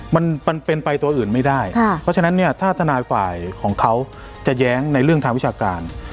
มันมันเป็นไปตัวอื่นไม่ได้เพราะฉะนั้นเนี่ยถ้าทนายฝ่ายของเขาจะแย้งในเรื่องทางวิชาการ